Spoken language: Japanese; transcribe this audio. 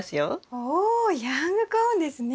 おヤングコーンですね。